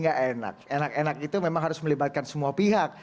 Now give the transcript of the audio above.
nggak enak enak itu memang harus melibatkan semua pihak